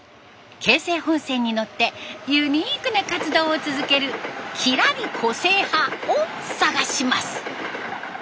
京成本線に乗ってユニークな活動を続ける「キラリ個性派」を探します。